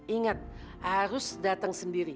ingat harus datang sendiri